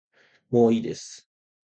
もういいです